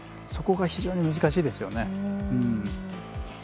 そこが非常に難しいですよね。